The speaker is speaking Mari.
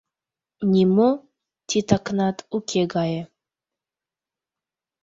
Нимо титакнат уке гае